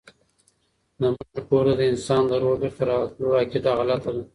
د مړي کور ته د انسان د روح بيرته راتلو عقيده غلطه ده